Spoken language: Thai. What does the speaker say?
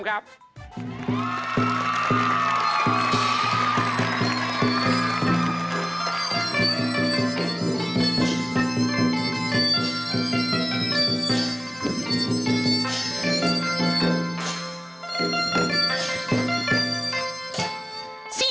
ภูมิสุดท้าย